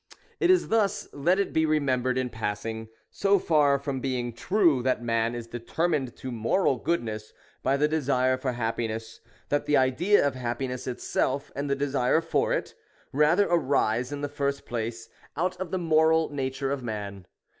It is thus, let it be remembered in passing, so far from being true that man is determined to moral goodness by the desire for happiness, that the idea of happiness itself and the desire for it, rather arise in the first place out of the moral nature of man.